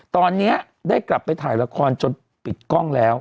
ตอนนี้ได้กลับไปถ่ายละครจนปิดกล้องแล้ว